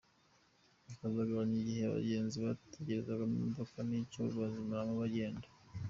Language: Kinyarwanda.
Bikazagabanya igihe abagenzi bategereza imodoka n’icyo bazimaramo bagenda.